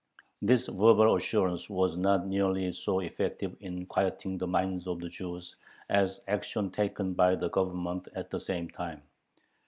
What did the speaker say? This verbal assurance was not nearly so effective in quieting the minds of the Jews as action taken by the Government at the same time.